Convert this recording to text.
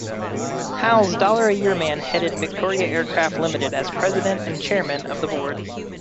Howe's "dollar-a-year men" headed Victory Aircraft Limited as president and chairman of the board.